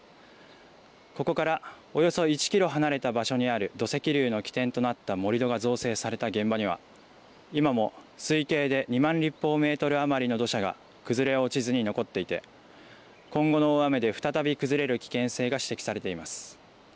ここからおよそ１キロ離れた場所にある土石流の起点となった盛り土が造成された現場には、今も推計で２万立方メートル余りの土砂が崩れ落ちずに残っていて、今後の大雨で再び崩れる危険性が指摘されています。